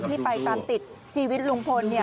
ที่ไปตามติดชีวิตลุงพล